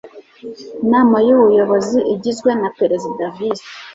inama y ubuyozi igizwe na perezida visi